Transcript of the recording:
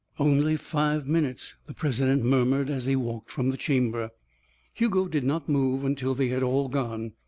"Only five minutes," the president murmured as he walked from the chamber. Hugo did not move until they had all gone.